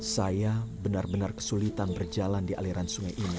saya benar benar kesulitan berjalan di aliran sungai ini